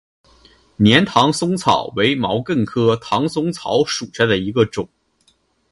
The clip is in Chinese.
粘唐松草为毛茛科唐松草属下的一个种。